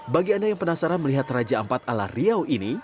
bagi anda yang penasaran melihat raja ampat ala riau ini